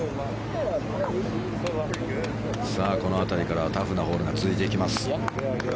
この辺りからタフなホールが続いていきます。